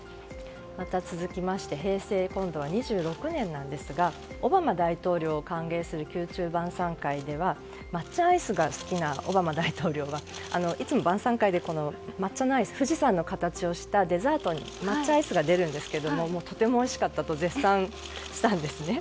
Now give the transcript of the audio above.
続きまして平成２６年なんですがオバマ大統領を歓迎する宮中晩餐会では抹茶アイスが好きなオバマ大統領はいつも晩餐会で富士山の形をした抹茶アイスが出るんですがとてもおいしかったと絶賛したんですね。